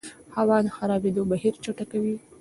هوا د خرابېدو بهیر چټکوي.